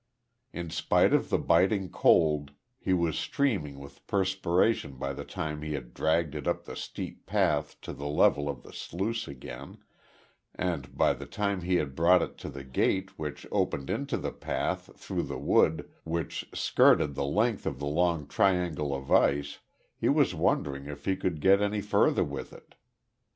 In spite of the biting cold he was streaming with perspiration by the time he had dragged it up the steep path to the level of the sluice again, and by the time he had brought it to the gate which opened into the path through the wood which skirted the length of the long triangle of ice he was wondering if he could get any further with it.